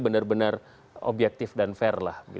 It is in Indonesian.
benar benar objektif dan fair lah